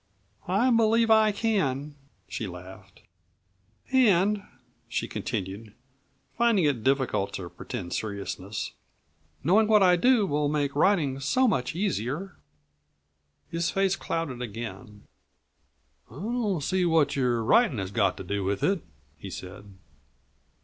"I believe I can," she laughed. "And," she continued, finding it difficult to pretend seriousness, "knowing what I do will make writing so much easier." His face clouded again. "I don't see what your writin' has got to do with it," he said.